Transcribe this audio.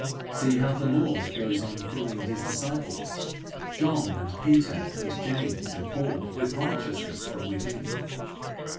See how the Lord goes on filling his disciples, John and Peter and James and Paul, with righteousness from within!